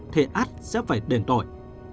thì ác sẽ phải đền tội